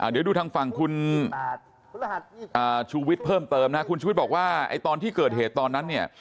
เดี๋ยวดูทางฝั่งคุณชูวิทย์เพิ่มเติมนะคุณชุวิตบอกว่าตอนที่เกิดเหตุตอนนั้นเนี่ย